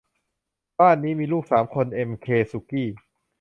บ้านนี้มีลูกสามคน เอ็ม เค สุกี้